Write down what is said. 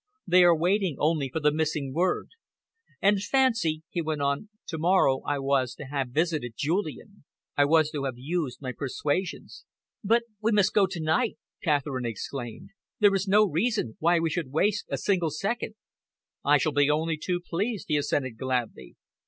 They are waiting only for the missing word. And fancy," he went on, "to morrow I was to have visited Julian. I was to have used my persuasions." "But we must go to night!" Catherine exclaimed. "There is no reason why we should waste a single second." "I shall be only too pleased," he assented gladly.